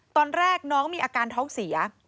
ตอนแรกน้องมีอาการท้องเสีย